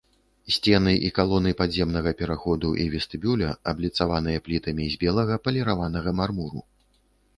Сцены і калоны падземнага пераходу і вестыбюля абліцаваныя плітамі з белага паліраванага мармуру.